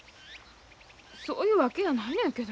そういうわけやないのやけど。